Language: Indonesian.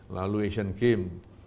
lalu asian game